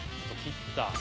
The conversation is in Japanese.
切った。